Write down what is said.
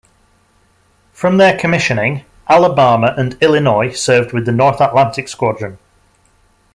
From their commissioning, "Alabama" and "Illinois" served with the North Atlantic Squadron.